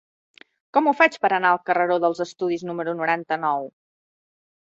Com ho faig per anar al carreró dels Estudis número noranta-nou?